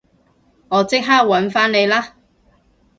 我即刻搵返你啦